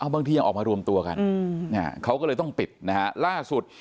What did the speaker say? บางทียังออกมารวมตัวกันเขาก็เลยต้องปิดนะฮะล่าสุด